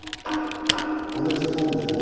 同じポンでも。